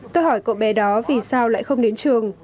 tôi hỏi cậu bé đó vì sao lại không đến trường